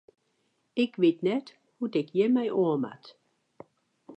Ik wit net hoe't ik hjir mei oan moat.